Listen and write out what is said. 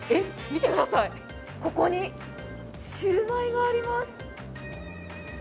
見てください、ここにシュウマイがあります。